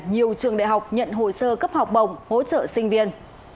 nhiều trường đại học nhận hồ sơ cấp học bổng hỗ trợ sinh viên